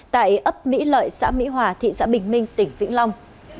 tại ấp mỹ lợi xã mỹ hòa thị xã bình minh tỉnh vĩnh long